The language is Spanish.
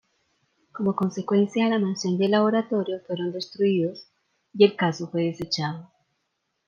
Como consecuencia, la mansión y el laboratorio fueron destruidos, y el caso fue desechado.